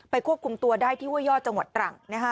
ควบคุมตัวได้ที่ห้วยยอดจังหวัดตรัง